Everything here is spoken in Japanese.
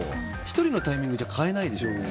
１人のタイミングじゃ替えないでしょうね。